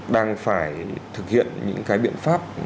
đang phải thực hiện những cái biện pháp